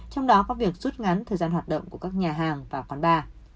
trong đó có việc rút ngắn thời gian hoạt động của các nhà hàng và khoán ba